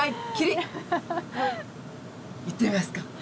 行ってみますか。